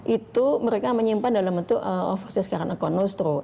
itu mereka menyimpan dalam bentuk ofersnya sekarang akun nostro